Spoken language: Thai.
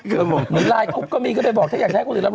หรือลายกุ๊บก็มีก็ไปบอกถ้าอยากใช้คนอื่นแล้ว